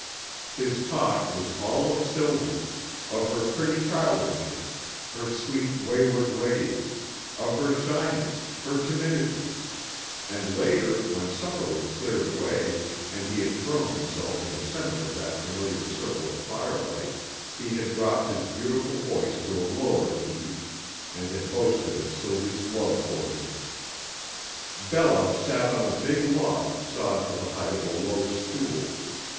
His talk was all of Sylvie, of her pretty childishness, her sweet, wayward ways, of her shyness, her timidity; and later, when supper was cleared away and he had throned himself in the center of that familiar circle of firelight, he had dropped his beautiful voice to a lower key and had boasted of Sylvie's love for him. Bella sat on a big log sawed to the height of a low stool.